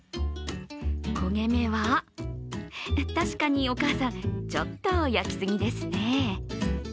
焦げ目は確かにお母さん、ちょっと焼きすぎですね。